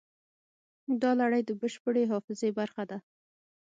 دا لړۍ د بشري حافظې برخه ده.